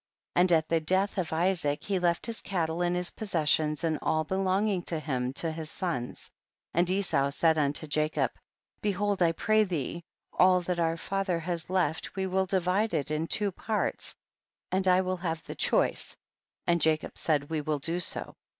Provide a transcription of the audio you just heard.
15. And at the death of Isaac, he left his cattle and his possessions and all belonging to him to his sons ; and Esau said unto Jacob, behold I pray thee, all that our father has left we will divide it in two parts, and I will have the choice, and Jacob said we will do so.